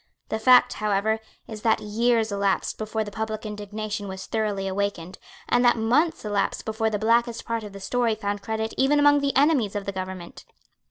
The fact, however, is that years elapsed before the public indignation was thoroughly awakened, and that months elapsed before the blackest part of the story found credit even among the enemies of the government.